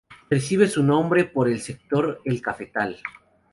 Recibe su nombre por el Sector El Cafetal.